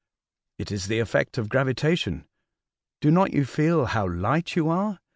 " It is the effect of gravita tion. Do not you feel how light you are?